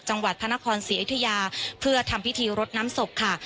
จังหวัดพระนครศรีอยุธยาเพื่อทำพิธีรดน้ำศพค่ะ